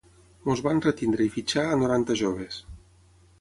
Ens van retindre i fitxar a noranta joves.